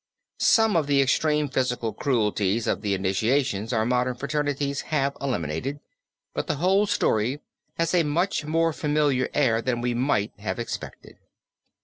Some of the extreme physical cruelties of the initiations our modern fraternities have eliminated, but the whole story has a much more familiar air than we might have expected.